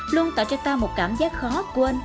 luôn tạo cho ta một cảm giác khó quên